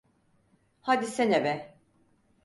Hadisene be!